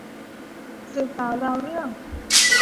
สืบสาวราวเรื่อง